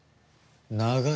長い。